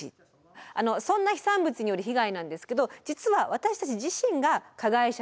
あのそんな飛散物による被害なんですけど実は私たち自身が加害者。